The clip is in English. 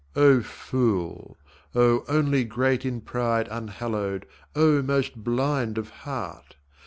O fool, O only great In pride unhallowed, O most blind of heart!